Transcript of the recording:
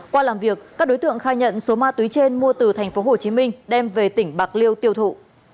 qua làm việc các đối tượng khai nhận số ma túy trên mua từ thành phố hồ chí minh đem về tỉnh bạc liêu tiêu thụ